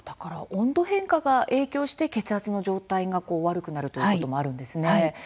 温度変化が影響して血圧の状態が悪くなるということもあるんですね。